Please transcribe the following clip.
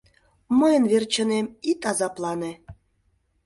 — Мыйын верчынем ит азаплане.